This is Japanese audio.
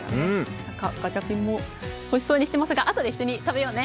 ガチャピンも欲しそうにしていますがあとで一緒に食べようね。